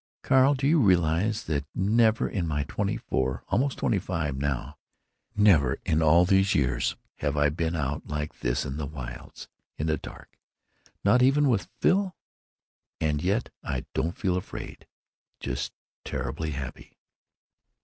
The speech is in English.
Carl, do you realize that never in my twenty four (almost twenty five now!) never in all these years have I been out like this in the wilds, in the dark, not even with Phil? And yet I don't feel afraid—just terribly happy."